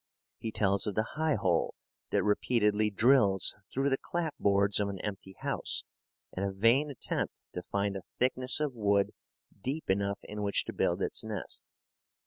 He tells of the highhole that repeatedly drills through the clap boards of an empty house in a vain attempt to find a thickness of wood deep enough in which to build its nest.